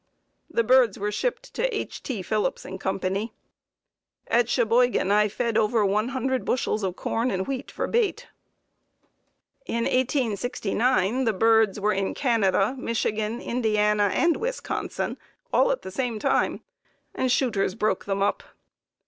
The birds were shipped to H. T. Phillips & Co. At Cheboygan I fed over one hundred bushels of corn and wheat for bait. In 1869 the birds were in Canada, Michigan, Indiana and Wisconsin, all at the same time, and shooters broke them up.